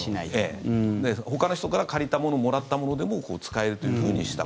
ほかの人から借りたもの、もらったものでも使えるというふうにした。